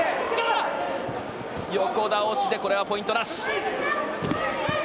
横倒しでこれはポイントなし。